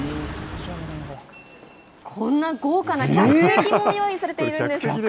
こんな豪華な客席も用意されているんです。